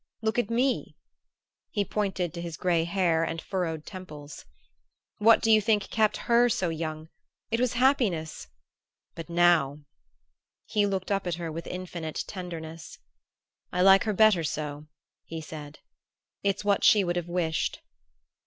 Look at me!" He pointed to his gray hair and furrowed temples. "What do you think kept her so young? It was happiness! But now " he looked up at her with infinite tenderness. "I like her better so," he said. "It's what she would have wished."